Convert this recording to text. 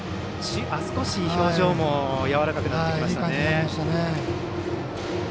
少し表情もやわらかくなってきました。